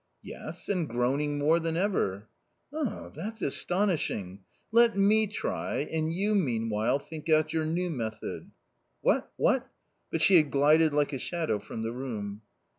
" Yes, and groaning more than ever." u That's astonishing ! Let me try, and you meanwhile ' t think out your new method." n " What, what ?" fiut she had glided like a shadow from the room.